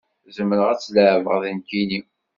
Zemreɣ ad tt-leεbeɣ d nekkini